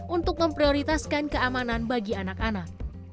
untuk memprioritaskan keamanan bagi anak anak